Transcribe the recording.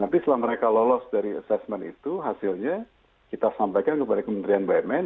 nanti setelah mereka lolos dari asesmen itu hasilnya kita sampaikan kepada kementerian bumn